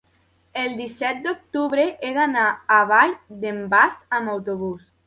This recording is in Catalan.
el disset d'octubre he d'anar a la Vall d'en Bas amb autobús.